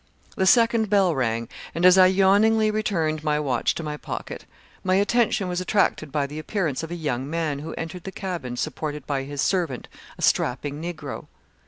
"The second bell rang, and as I yawningly returned my watch to my pocket, my attention was attracted by the appearance of a young man who entered the cabin supported by his servant, a strapping Negro.